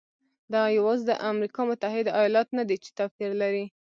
دا یوازې امریکا متحده ایالات نه دی چې توپیر لري.